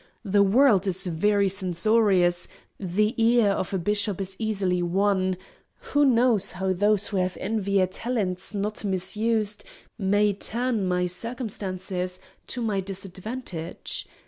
The world is very censorious, the ear of a Bishop is easily won; who knows how those who have envied talents not misused may turn my circumstances to my disadvantage?